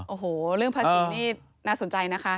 โอ้โหเรื่องภาษีนี่น่าสนใจนะคะ